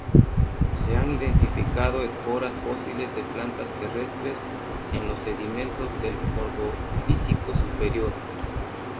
Se han identificado esporas fósiles de plantas terrestres en los sedimentos del Ordovícico Superior.